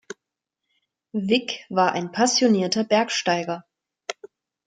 Wick war ein passionierter Bergsteiger.